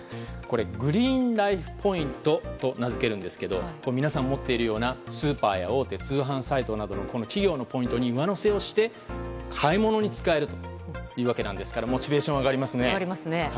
グリーンライフ・ポイントと名付けるんですけど皆さん持っているようなスーパーや大手通販サイトのような企業のポイントに上乗せして買い物に使えるというわけですからモチベーション上がりますね。